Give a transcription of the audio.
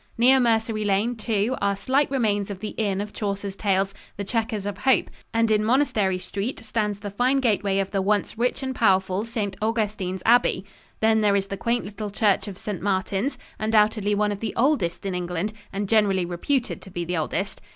Near Mercery Lane, too, are slight remains of the inn of Chaucer's Tales, "The Chequers of Hope," and in Monastery Street stands the fine gateway of the once rich and powerful St. Augustine's Abbey. Then there is the quaint little church of St. Martins, undoubtedly one of the oldest in England, and generally reputed to be the oldest.